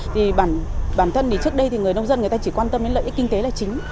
thì bản thân thì trước đây người nông dân chỉ quan tâm đến lợi ích kinh tế là chính